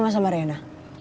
terima kasih irina